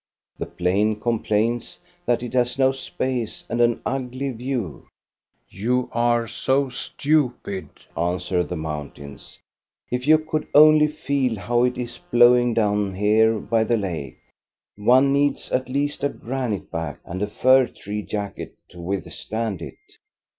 " The plain complains that it has no space and an ugly view. $2 THE STORY OF COSTA BERUNG " You are so stupid, " answer the mountains ;" if you could only feel how it is blowing down here by the lake. One needs at least a granite back and a fir tree jacket to withstand it.